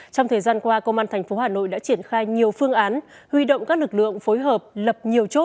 trong thời gian qua công an tp hà nội đã triển khai nhiều phương án huy động các lực lượng phối hợp lập nhiều chỗ